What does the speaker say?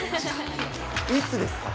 いつですか？